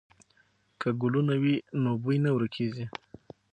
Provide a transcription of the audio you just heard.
که ګلونه وي نو بوی نه ورکېږي.